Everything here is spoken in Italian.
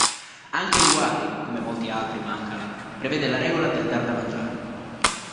Anche il Wari, come molti altri mancala, prevede la regola del "dar da mangiare".